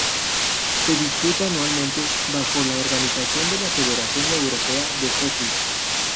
Se disputa anualmente, bajo la organización de la Federación Europea de Hockey.